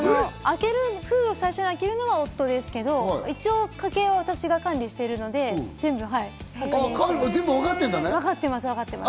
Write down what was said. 封を最初に開けるのは夫ですけど、家計は私が管理してるので全部確認しています。